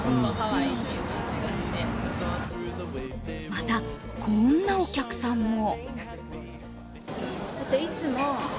また、こんなお客さんも。